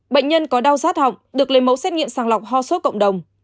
bệnh nhân có đau rát họng được lấy mẫu xét nghiệm sàng lọc ho sốt cộng đồng